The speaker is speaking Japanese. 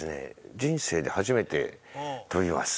人生で初めて跳びます。